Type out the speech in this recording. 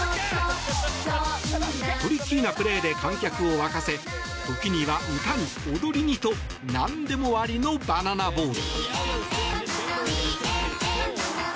トリッキーなプレーで観客を沸かせ時に歌に踊りとなんでもありのバナナボール。